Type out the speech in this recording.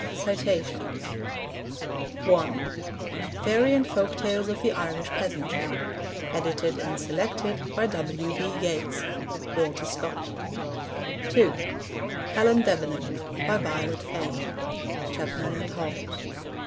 (1) Fairy and Folk Tales of the Irish Peasantry. Edited and Selected by W. B. Yeats. (Walter Scott.) (2) Helen Davenant. By Violet Fane. (Chapman and Hall.)